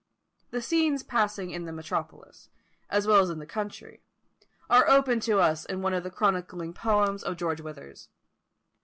The scenes passing in the metropolis, as well as in the country, are opened to us in one of the chronicling poems of George Withers.